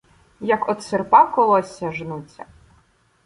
Як од серпа колосся жнуться.